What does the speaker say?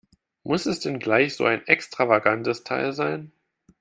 Muss es denn gleich so ein extravagantes Teil sein?